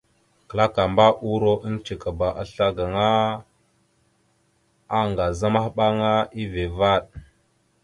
Klakamba uuro eŋgcekaba assla gaŋa, aaŋgaza maɓaŋa, eeve vvaɗ.